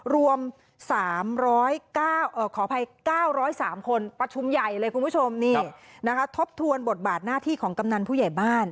รวมขออภัย๙๐๓คนประชุมใหญ่เลยคุณผู้ชมนี่นะคะทบทวนบทบาทหน้าที่ของกำนันผู้ใหญ่บ้าน